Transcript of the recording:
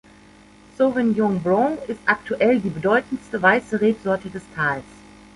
Sauvignon Blanc ist aktuell die bedeutendste weiße Rebsorte des Tals.